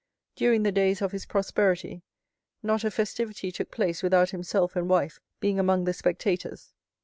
During the days of his prosperity, not a festivity took place without himself and wife being among the spectators.